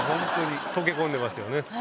溶け込んでますよね。